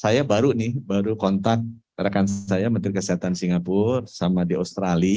saya baru nih baru kontak rekan saya menteri kesehatan singapura sama di australia